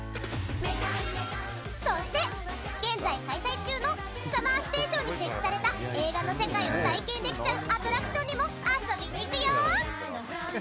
そして、現在開催中の「ＳＵＭＭＥＲＳＴＡＴＩＯＮ」に設置された映画の世界を体験できちゃうアトラクションにも遊びに行くよ！